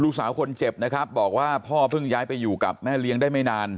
ลูกสาวคนเจ็บนะครับบอกว่าพ่อเพิ่งย้ายไปอยู่กับแม่เลี้ยงได้ไม่นาน